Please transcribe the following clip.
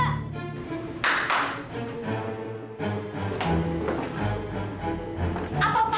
ini yang saya mau